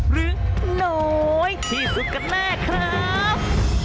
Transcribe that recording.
หรือน้อยที่สุดกันแน่ครับ